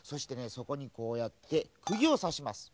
そこにこうやってくぎをさしますね。